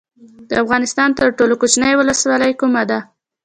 د افغانستان تر ټولو کوچنۍ ولسوالۍ کومه ده؟